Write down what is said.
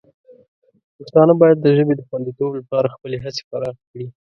پښتانه باید د ژبې د خوندیتوب لپاره خپلې هڅې پراخې کړي.